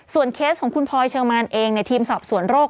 เคสของคุณพลอยเชิงมานเองในทีมสอบสวนโรค